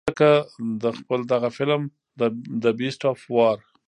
ځکه د خپل دغه فلم The Beast of War